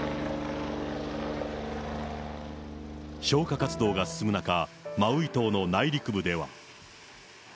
消火活動が進む中、マウイ島の内陸部では。